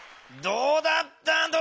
どうだった？